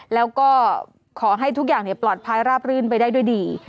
แล้วก็ขอให้ทุกอย่างปลอดภัยราบรื่นไปได้ด้วยดี